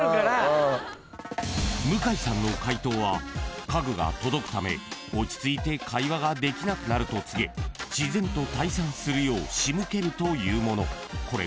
［向井さんの解答は家具が届くため落ち着いて会話ができなくなると告げ自然と退散するよう仕向けるというもの］